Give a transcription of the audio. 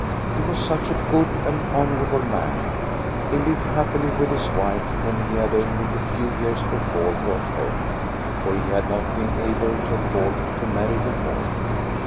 He was such a good and hon orable man. He lived happily with his wife, whom he had only a few years before brought home, for he had not been able to afiford to marry before.